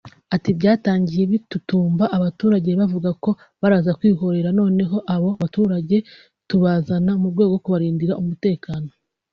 Ati "Byatangiye bitutumba abaturage bavuga ko baraza kwihorera noneho abo baturage tubazana mu rwego rwo kubarindira umutekano